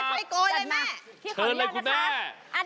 ไปโกนเลยแม่